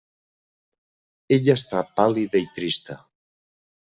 Ella està pàl·lida i trista.